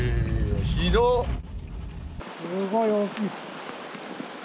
すごい大きい。